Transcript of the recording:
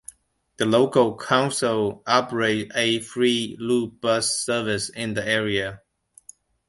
The local council operates a free loop bus service in the area.